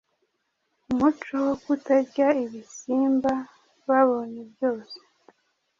umuco wo kutarya ibisimba babonye byose